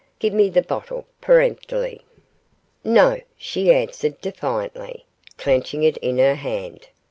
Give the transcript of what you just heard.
Give me the bottle?' peremptorily. 'No!' she answered, defiantly, clenching it in her hand.